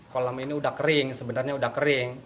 kolam ini udah kering sebenarnya udah kering